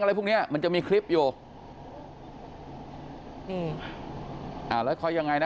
อะไรพวกเนี้ยมันจะมีคลิปอยู่นี่อ่าแล้วเขายังไงนะ